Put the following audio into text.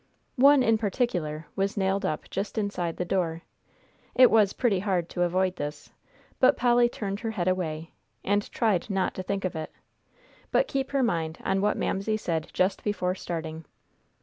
One, in particular, was nailed up just inside the door. It was pretty hard to avoid this, but Polly turned her head away, and tried not to think of it, but keep her mind on what Mamsie said just before starting.